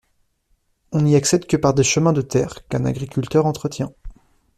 On n’y accède que par des chemins de terre qu’un agriculteur entretient.